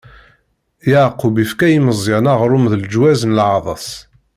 Yeɛqub ifka i Meẓyan aɣrum d leǧwaz n leɛdes.